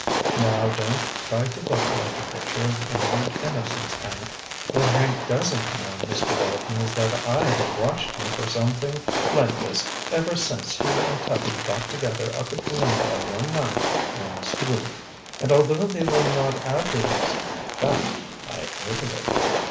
"Now don't try to look like the picture of injured innocence, Hank. What Hank doesn't know, Mr. Bolton, is that I have watched him for something like this ever since he and Tubby got together up at Glendale one night last week. And although they were not advertising the fact, I heard of it.